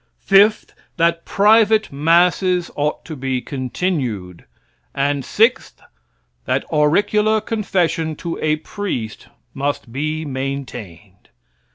Fifth, that private masses ought to be continued. And sixth, that auricular confession to a priest must be maintained.